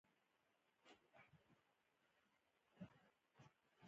افغانستان د پسرلی کوربه دی.